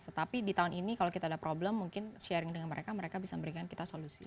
tetapi di tahun ini kalau kita ada problem mungkin sharing dengan mereka mereka bisa memberikan kita solusi